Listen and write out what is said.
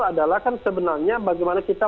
adalah kan sebenarnya bagaimana kita